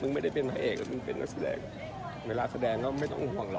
ไม่ได้เป็นพระเอกแล้วเพิ่งเป็นนักแสดงเวลาแสดงก็ไม่ต้องห่วงแล้ว